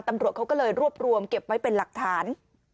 ตำรวจเขาก็เลยรวบรวมเก็บไว้เป็นหลักฐาน